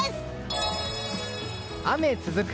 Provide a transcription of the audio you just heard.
雨、続く。